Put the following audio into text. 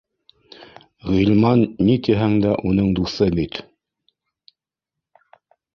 Ғилман, ни тиһәң дә, уның дуҫы бит